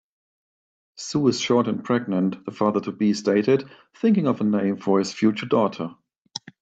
"Sue is short and pregnant", the father-to-be stated, thinking of a name for his future daughter.